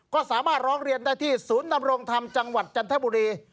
ก็สามารถร้องเรียนได้ที่ศูนย์นำรงธรรมจังหวัดจันทบุรี